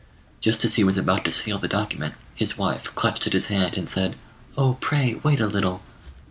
Just as he was about to seal the document, his wife clutched at his hand and said, "Oh, pray wait a little."